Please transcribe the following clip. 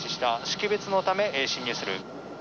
識別のため進入する。